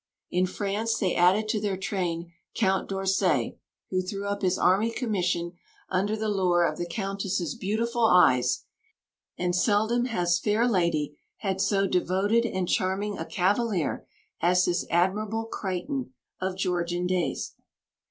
In France they added to their train Count d'Orsay, who threw up his army commission under the lure of the Countess's beautiful eyes; and seldom has fair lady had so devoted and charming a cavalier as this "Admirable Crichton" of Georgian days.